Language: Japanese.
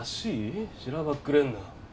しらばっくれんな。